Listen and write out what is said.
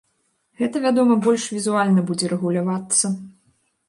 Гэта, вядома, больш візуальна будзе рэгулявацца.